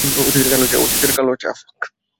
অতীতের কালো ছায়া।